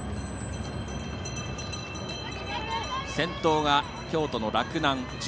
先頭が京都の洛南。